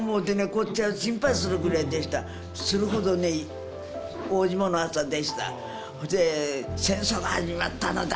こっちは心配するぐらいでしたするほどね大霜の朝でしたほいで「戦争が始まったのだ」